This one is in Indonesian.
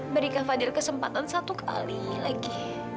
beri kak fadil kesempatan satu kali lagi